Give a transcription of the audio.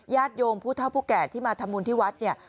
ญาติโยมผู้เท่าผู้แก่ที่มาทำบุญที่วัดเนี่ย